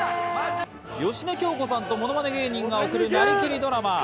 芳根京子さんとものまね芸人が送るなりきりドラマ。